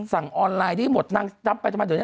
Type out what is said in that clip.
สั่งออนไลน์ด้วยหมดนางจับไปจนแบบนี้